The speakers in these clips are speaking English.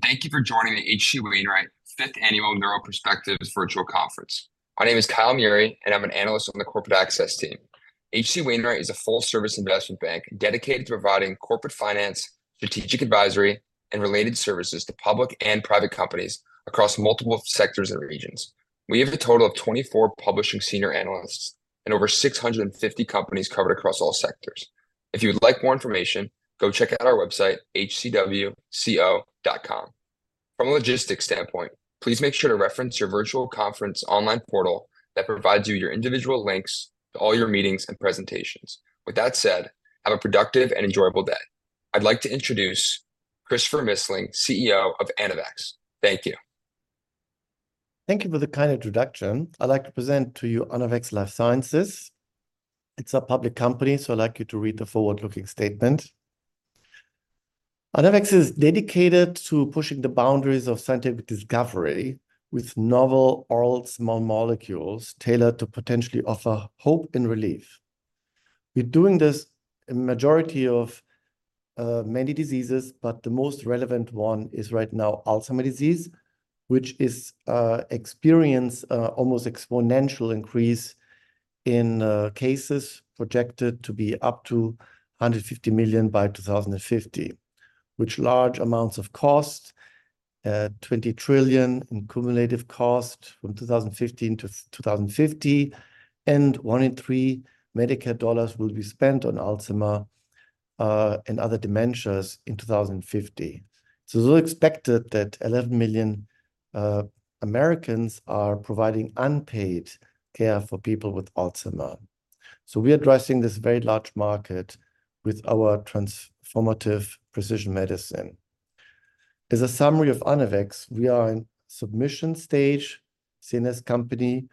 Thank you for joining the H.C. Wainwright Fifth Annual Neuro Perspectives Virtual Conference. My name is Kyle Murie, and I'm an analyst on the corporate access team. H.C. Wainwright is a full-service investment bank dedicated to providing corporate finance, strategic advisory, and related services to public and private companies across multiple sectors and regions. We have a total of 24 publishing senior analysts and over 650 companies covered across all sectors. If you would like more information, go check out our website, hcwco.com. From a logistics standpoint, please make sure to reference your virtual conference online portal that provides you your individual links to all your meetings and presentations. With that said, have a productive and enjoyable day. I'd like to introduce Christopher Missling, CEO of Anavex. Thank you. Thank you for the kind introduction. I'd like to present to you Anavex Life Sciences. It's a public company, so I'd like you to read the forward-looking statement. Anavex is dedicated to pushing the boundaries of scientific discovery with novel oral small molecules tailored to potentially offer hope and relief. We're doing this in a majority of many diseases, but the most relevant one is right now Alzheimer's disease, which is experiencing an almost exponential increase in cases projected to be up to 150 million by 2050, with large amounts of cost, $20 trillion in cumulative cost from 2015 to 2050, and one in three Medicare dollars will be spent on Alzheimer's and other dementias in 2050. It's also expected that 11 million Americans are providing unpaid care for people with Alzheimer's. So we are addressing this very large market with our transformative precision medicine. As a summary of Anavex, we are in the submission stage, a CNS company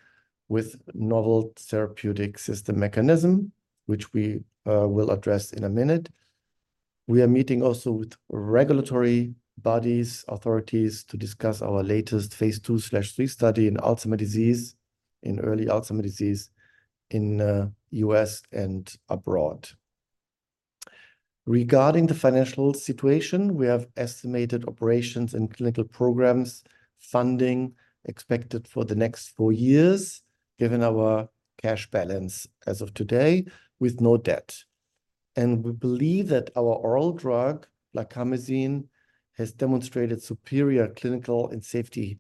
with a novel therapeutic system mechanism, which we will address in a minute. We are meeting also with regulatory bodies, authorities, to discuss our latest phase II/III study in Alzheimer's disease, in early Alzheimer's disease in the U.S. and abroad. Regarding the financial situation, we have estimated operations and clinical programs funding expected for the next four years, given our cash balance as of today, with no debt. We believe that our oral drug, blarcamesine, has demonstrated superior clinical safety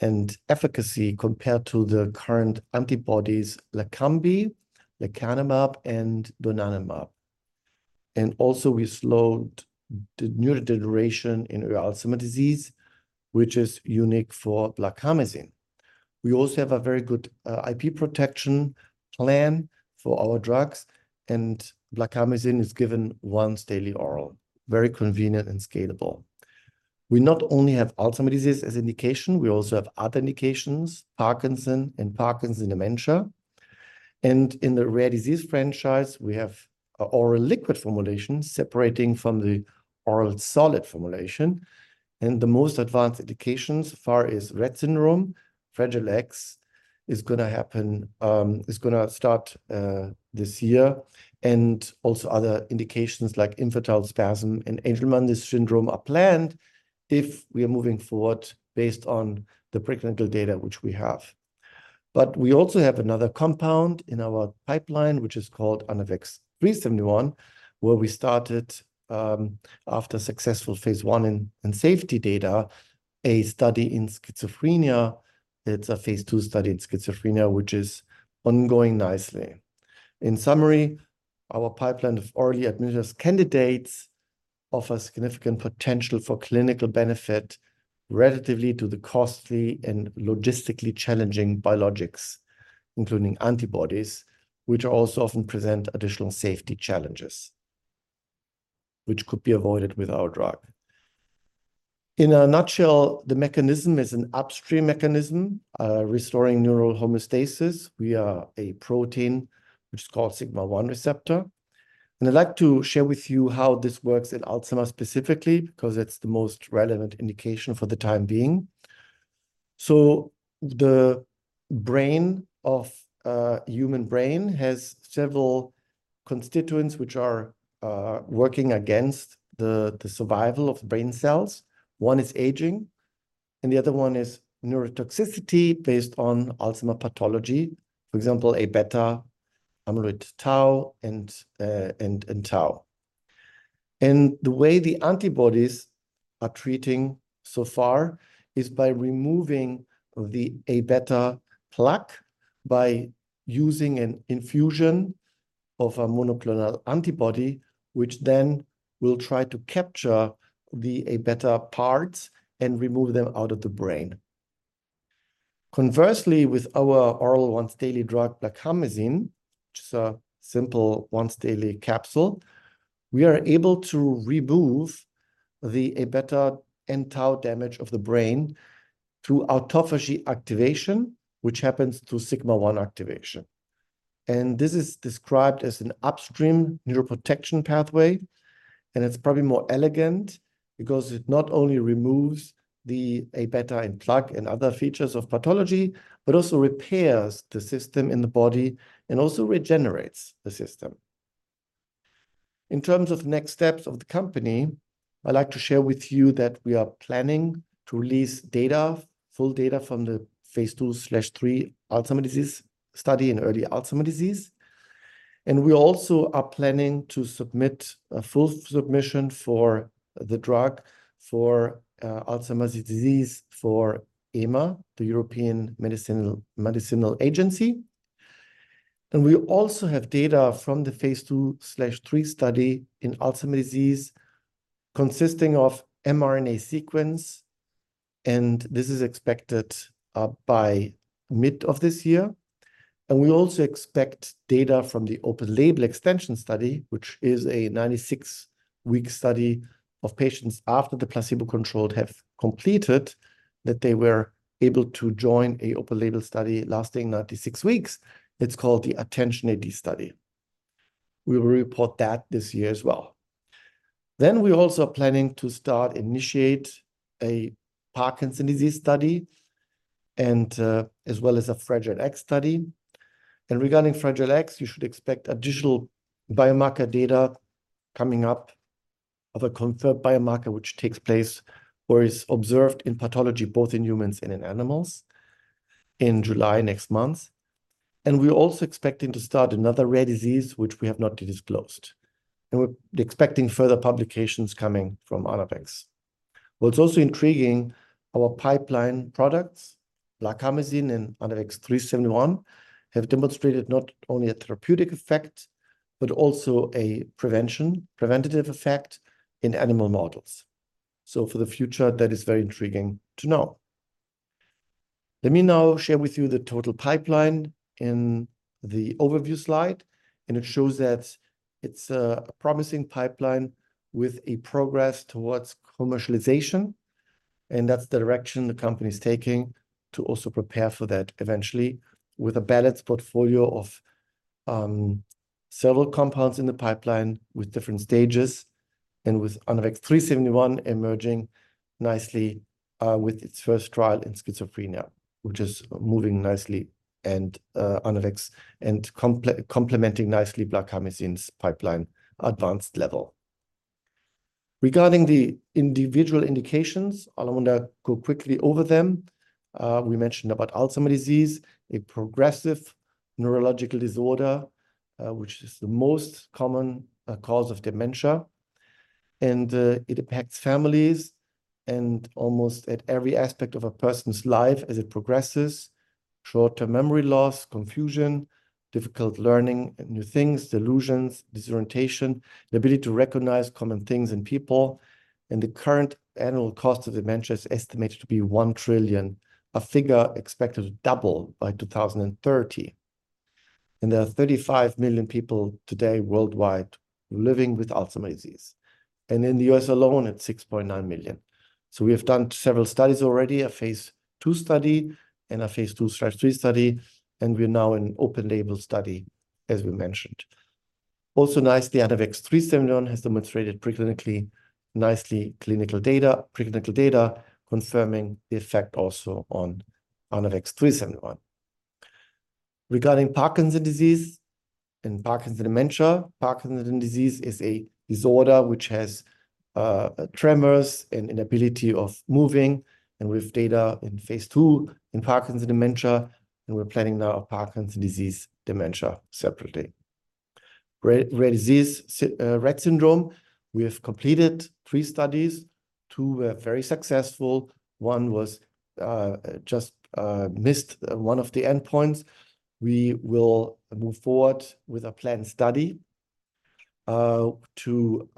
and efficacy compared to the current antibodies Leqembi, lecanemab, and donanemab. Also, we slowed the neurodegeneration in Alzheimer's disease, which is unique for blarcamesine. We also have a very good IP protection plan for our drugs, and blarcamesine is given once daily oral, very convenient and scalable. We not only have Alzheimer's disease as an indication. We also have other indications: Parkinson's and Parkinson's dementia. In the rare disease franchise, we have oral liquid formulation separating from the oral solid formulation. The most advanced indications so far are Rett syndrome. Fragile X is going to happen, is going to start this year. Also other indications like infantile spasms and Angelman syndrome are planned if we are moving forward based on the preclinical data which we have. But we also have another compound in our pipeline, which is called Anavex 3-71, where we started after successful phase I and safety data, a study in schizophrenia. It's a phase II study in schizophrenia, which is ongoing nicely. In summary, our pipeline of orally administered candidates offers significant potential for clinical benefit relative to the costly and logistically challenging biologics, including antibodies, which also often present additional safety challenges which could be avoided with our drug. In a nutshell, the mechanism is an upstream mechanism, restoring neural homeostasis. Via a protein which is called sigma-1 receptor. And I'd like to share with you how this works in Alzheimer's specifically because it's the most relevant indication for the time being. The brain of the human brain has several constituents which are working against the survival of brain cells. One is aging, and the other one is neurotoxicity based on Alzheimer's pathology, for example, Aβ amyloid, tau, and tau. The way the antibodies are treating so far is by removing the Aβ plaque by using an infusion of a monoclonal antibody, which then will try to capture the Aβ parts and remove them out of the brain. Conversely, with our oral once daily drug, blarcamesine, which is a simple once daily capsule, we are able to remove the Aβ and tau damage of the brain through autophagy activation, which happens through sigma-1 activation. This is described as an upstream neuroprotection pathway. It's probably more elegant because it not only removes the Aβ and plaque and other features of pathology, but also repairs the system in the body and also regenerates the system. In terms of the next steps of the company, I'd like to share with you that we are planning to release data, full data from the phase II/III Alzheimer's disease study in early Alzheimer's disease. We also are planning to submit a full submission for the drug for Alzheimer's disease for EMA, the European Medicines Agency. We also have data from the phase II/III study in Alzheimer's disease consisting of mRNA sequence, and this is expected by mid of this year. We also expect data from the open label extension study, which is a 96-week study of patients after the placebo control have completed, that they were able to join an open label study lasting 96 weeks. It's called the ATTENTION-AD study. We will report that this year as well. Then we also are planning to start, initiate a Parkinson's disease study as well as a Fragile X study. Regarding Fragile X, you should expect additional biomarker data coming up of a confirmed biomarker which takes place or is observed in pathology both in humans and in animals in July next month. We're also expecting to start another rare disease which we have not disclosed. We're expecting further publications coming from Anavex. What's also intriguing, our pipeline products, blarcamesine and Anavex 3-71, have demonstrated not only a therapeutic effect but also a preventative effect in animal models. For the future, that is very intriguing to know. Let me now share with you the total pipeline in the overview slide, and it shows that it's a promising pipeline with progress towards commercialization. And that's the direction the company is taking to also prepare for that eventually with a balanced portfolio of several compounds in the pipeline with different stages and with Anavex 3-71 emerging nicely with its first trial in schizophrenia, which is moving nicely and Anavex and complementing nicely blarcamesine's pipeline advanced level. Regarding the individual indications, I want to go quickly over them. We mentioned about Alzheimer's disease, a progressive neurological disorder, which is the most common cause of dementia. And it impacts families and almost at every aspect of a person's life as it progresses: short-term memory loss, confusion, difficult learning and new things, delusions, disorientation, the ability to recognize common things and people. And the current annual cost of dementia is estimated to be $1 trillion, a figure expected to double by 2030. And there are 35 million people today worldwide living with Alzheimer's disease. In the U.S. alone, it's 6.9 million. We have done several studies already, a phase II study and a phase II/III study, and we are now in an open-label study, as we mentioned. Also nicely, Anavex 3-71 has demonstrated preclinically nicely clinical data, preclinical data confirming the effect also on Anavex 3-71. Regarding Parkinson's disease and Parkinson's dementia, Parkinson's disease is a disorder which has tremors and inability of moving. We have data in phase II in Parkinson's dementia, and we're planning now on Parkinson's disease dementia separately. Rare disease, Rett syndrome, we have completed three studies. Two were very successful. One was just missed one of the endpoints. We will move forward with a planned study to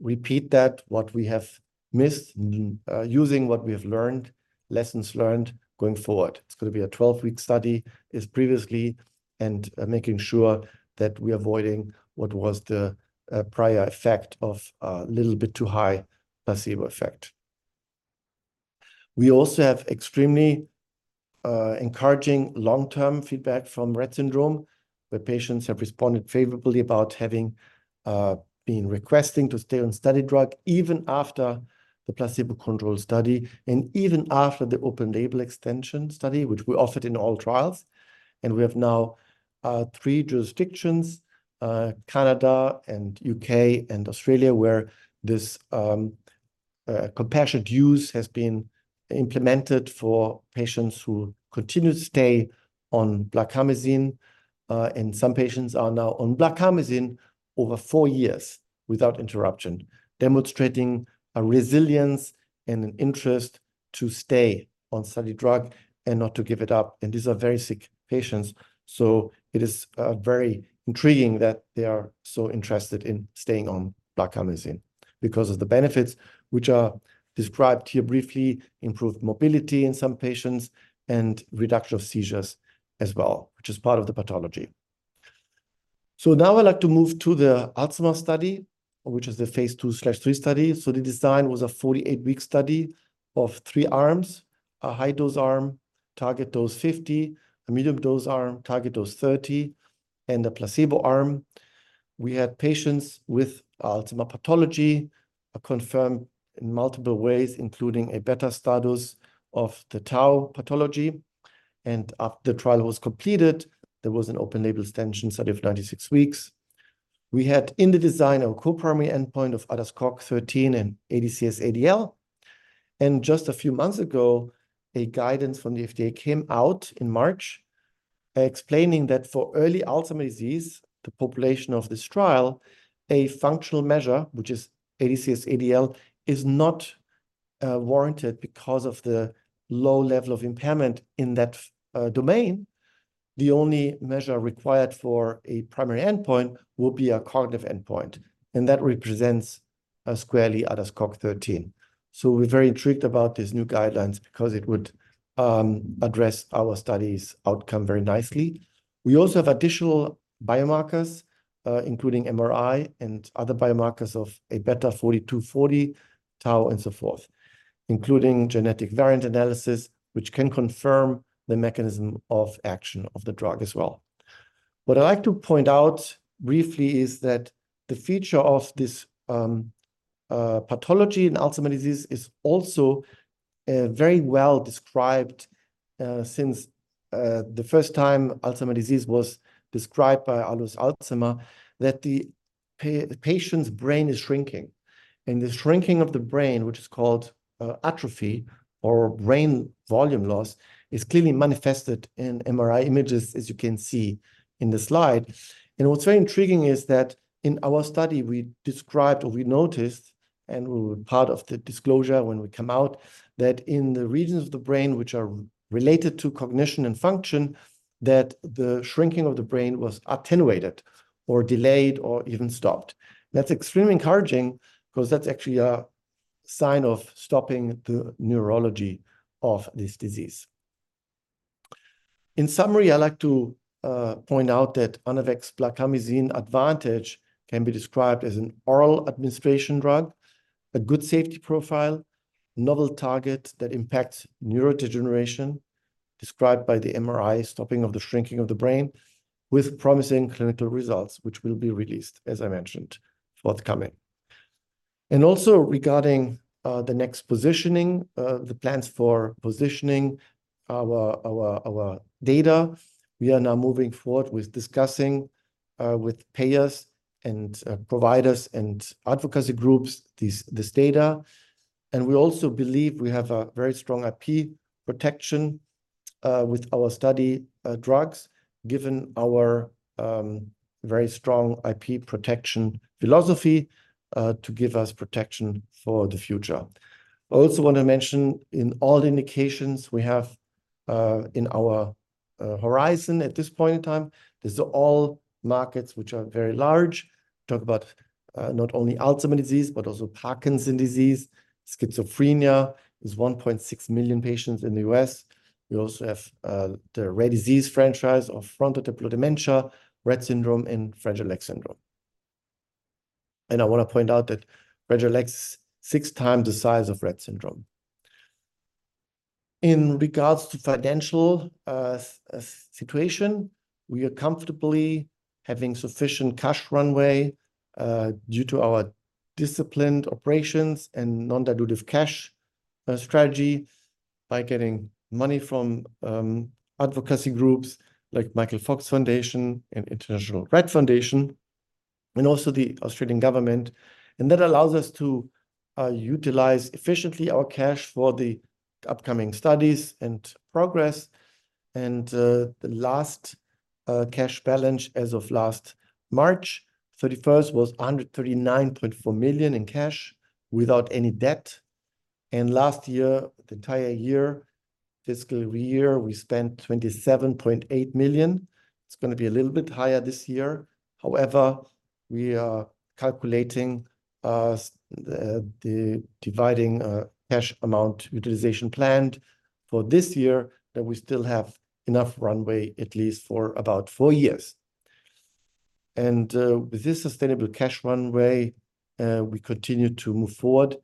repeat that what we have missed using what we have learned, lessons learned going forward. It's going to be a 12-week study as previously and making sure that we are avoiding what was the prior effect of a little bit too high placebo effect. We also have extremely encouraging long-term feedback from Rett syndrome, where patients have responded favorably about having been requesting to stay on study drug even after the placebo control study and even after the open label extension study, which we offered in all trials. We have now three jurisdictions, Canada, and the U.K. and Australia, where this compassionate use has been implemented for patients who continue to stay on blarcamesine. Some patients are now on blarcamesine over four years without interruption, demonstrating a resilience and an interest to stay on study drug and not to give it up. These are very sick patients. So it is very intriguing that they are so interested in staying on blarcamesine because of the benefits which are described here briefly: improved mobility in some patients and reduction of seizures as well, which is part of the pathology. Now I'd like to move to the Alzheimer's study, which is the phase II/III study. The design was a 48-week study of three arms: a high-dose arm, target dose 50, a medium-dose arm, target dose 30, and a placebo arm. We had patients with Alzheimer's pathology confirmed in multiple ways, including Aβ status of the tau pathology. After the trial was completed, there was an open-label extension study of 96 weeks. We had in the design a co-primary endpoint of ADAS-Cog 13 and ADCS-ADL. Just a few months ago, a guidance from the FDA came out in March explaining that for early Alzheimer's disease, the population of this trial, a functional measure, which is ADCS-ADL, is not warranted because of the low level of impairment in that domain. The only measure required for a primary endpoint will be a cognitive endpoint. That represents squarely ADAS-COG-13. We're very intrigued about these new guidelines because it would address our study's outcome very nicely. We also have additional biomarkers, including MRI and other biomarkers of Aβ 42/40, tau, and so forth, including genetic variant analysis, which can confirm the mechanism of action of the drug as well. What I'd like to point out briefly is that the feature of this pathology in Alzheimer's disease is also very well described since the first time Alzheimer's disease was described by Alois Alzheimer, that the patient's brain is shrinking. The shrinking of the brain, which is called atrophy or brain volume loss, is clearly manifested in MRI images, as you can see in the slide. What's very intriguing is that in our study, we described or we noticed, and we were part of the disclosure when we come out, that in the regions of the brain which are related to cognition and function, that the shrinking of the brain was attenuated or delayed or even stopped. That's extremely encouraging because that's actually a sign of stopping the neurology of this disease. In summary, I'd like to point out that Anavex blarcamesine advantage can be described as an oral administration drug, a good safety profile, novel target that impacts neurodegeneration described by the MRI stopping of the shrinking of the brain with promising clinical results, which will be released, as I mentioned, forthcoming. Also regarding the next positioning, the plans for positioning our data, we are now moving forward with discussing with payers and providers and advocacy groups this data. We also believe we have a very strong IP protection with our study drugs given our very strong IP protection philosophy to give us protection for the future. I also want to mention in all indications we have in our horizon at this point in time, these are all markets which are very large. Talk about not only Alzheimer's disease, but also Parkinson's disease. Schizophrenia is 1.6 million patients in the U.S. We also have the rare disease franchise of frontotemporal dementia, Rett syndrome, and Fragile X syndrome. I want to point out that Fragile X is 6x the size of Rett syndrome. In regards to financial situation, we are comfortably having sufficient cash runway due to our disciplined operations and non-dilutive cash strategy by getting money from advocacy groups like Michael J. Fox Foundation and International Rett Syndrome Foundation, and also the Australian Government. That allows us to utilize efficiently our cash for the upcoming studies and progress. The last cash balance as of last March 31st was $139.4 million in cash without any debt. Last year, the entire year, fiscal year, we spent $27.8 million. It's going to be a little bit higher this year. However, we are calculating the guiding cash amount utilization planned for this year that we still have enough runway at least for about four years. With this sustainable cash runway, we continue to move forward.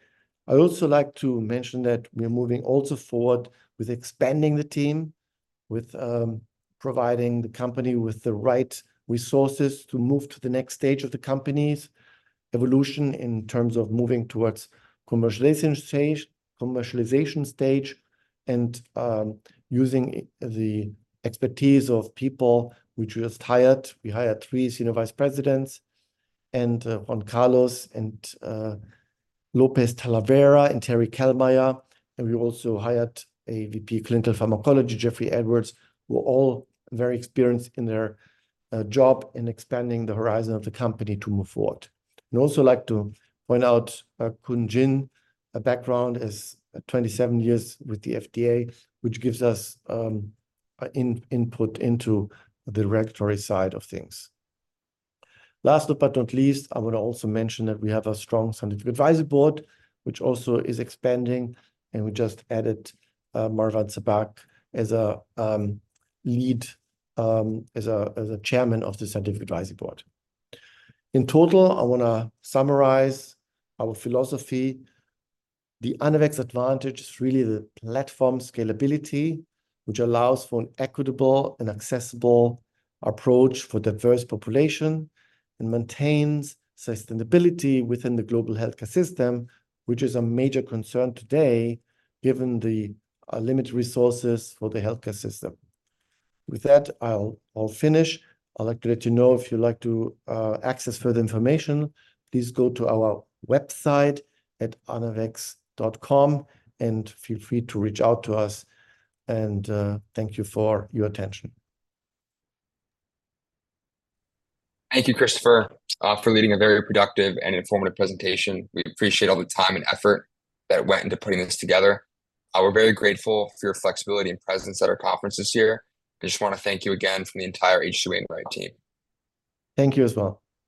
I'd also like to mention that we are moving also forward with expanding the team, with providing the company with the right resources to move to the next stage of the company's evolution in terms of moving towards commercialization stage and using the expertise of people which we just hired. We hired three senior vice presidents, Juan Carlos Lopez-Talavera and Terrie Kellmeyer. We also hired a VP Clinical Pharmacology, Jeffrey Edwards, who are all very experienced in their job in expanding the horizon of the company to move forward. I'd also like to point out Kun Jin's background as 27 years with the FDA, which gives us input into the regulatory side of things. Last but not least, I want to also mention that we have a strong scientific advisory board, which also is expanding. We just added Marwan Sabbagh as a lead as a chairman of the scientific advisory board. In total, I want to summarize our philosophy. The Anavex advantage is really the platform scalability, which allows for an equitable and accessible approach for diverse populations and maintains sustainability within the global healthcare system, which is a major concern today given the limited resources for the healthcare system. With that, I'll finish. I'd like to let you know, if you'd like to access further information, please go to our website at anavex.com and feel free to reach out to us. Thank you for your attention. Thank you, Christopher, for leading a very productive and informative presentation. We appreciate all the time and effort that went into putting this together. We're very grateful for your flexibility and presence at our conference this year. I just want to thank you again from the entire H.C. Wainwright team. Thank you as well.